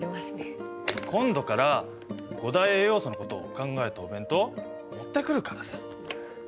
今度から五大栄養素のことを考えたお弁当持ってくるからさ！